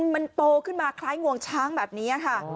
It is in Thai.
มันโตขึ้นมาคล้ายงวงช้างแบบนี้ค่ะ